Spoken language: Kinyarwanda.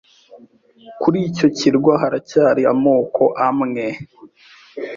Kuri icyo kirwa haracyari amoko amwe